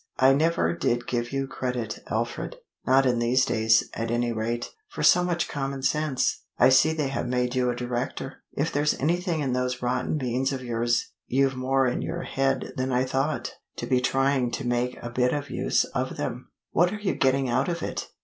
I never did give you credit, Alfred not in these days, at any rate for so much common sense. I see they have made you a director. If there's anything in those rotten beans of yours, you've more in your head than I thought, to be trying to make a bit of use of them. What are you getting out of it?"